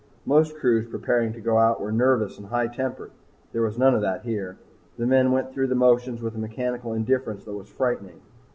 Most crews preparing to go out are nervous and high tempered. There was none of that here. The men went through the motions with a mechanical indifference that was frightening.